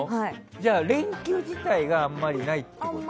じゃあ、連休自体があまりないってこと？